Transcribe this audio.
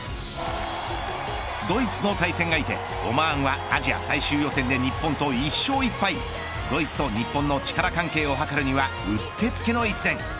ドイツの対戦相手オマーンは日本と１勝１敗ドイツと日本の力関係を図るにはうってつけの一戦。